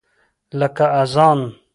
لکه اذان !